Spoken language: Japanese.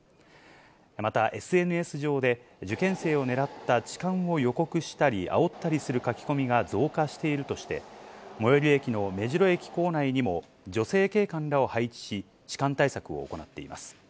また、ＳＮＳ上で、受験生を狙った痴漢を予告したり、あおったりする書き込みが増加しているとして、最寄り駅の目白駅構内にも、女性警官らを配置し、痴漢対策を行っています。